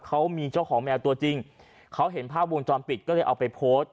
เขามีเจ้าของแมวตัวจริงเขาเห็นภาพวงจรปิดก็เลยเอาไปโพสต์